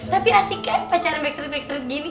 tapi asik kan pacaran backstreet backstreet gini